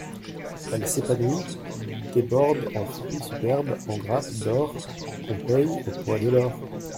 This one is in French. Elle s'épanouit, déborde en fruits superbes, en grappes d'or, qu'on paye au poids de l'or.